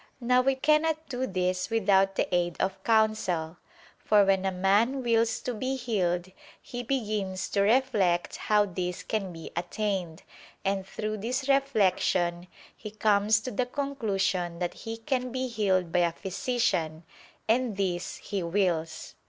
Now it cannot do this without the aid of counsel: for when a man wills to be healed, he begins to reflect how this can be attained, and through this reflection he comes to the conclusion that he can be healed by a physician: and this he wills.